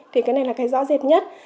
thì cái này là cái rõ rệt nhất